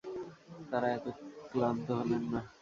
তারা এতে ক্লান্ত হলেন না।